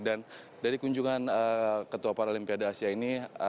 dan dari kunjungan ketua paralimpiade asia ini